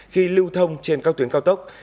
khi lưu thông trên các tuyến cao tốc